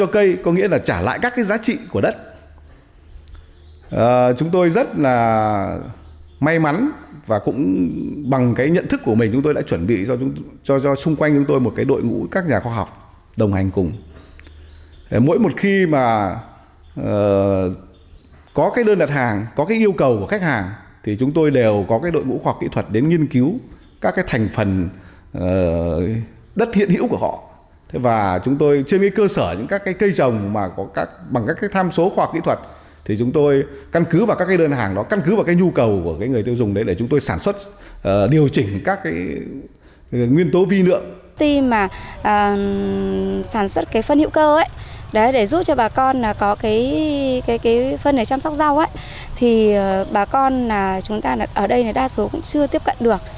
khi mà sản xuất cái phân hữu cơ để giúp cho bà con có cái phân để chăm sóc rau thì bà con ở đây đa số cũng chưa tiếp cận được